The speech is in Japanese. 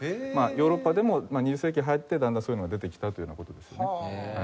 ヨーロッパでも２０世紀入ってだんだんそういうのが出てきたというような事ですよね。